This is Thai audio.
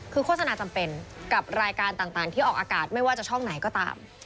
คือโฆษณาจำเป็นกับรายการต่างที่ออกอากาศไม่ว่าจะช่องไหนก็ตาม